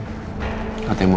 minta rupiah aja ya ma